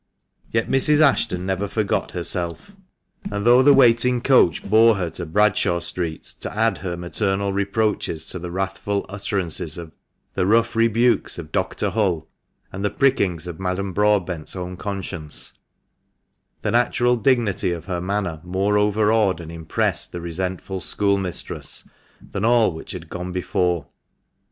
Yet Mrs. Ashton never forgot herself; and though the waiting coach bore her to Bradshaw Street to add her maternal reproaches to the wrathful utterances of Cicily, the rough rebukes of Dr. Hull, and the prickings of Madame Broadbent's own conscience, the natural dignity of her manner more overawed and impressed the resentful schoolmistress than all which had gone before.